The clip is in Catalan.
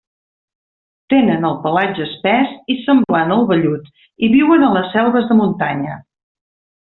Tenen el pelatge espès i semblant al vellut i viuen a les selves de muntanya.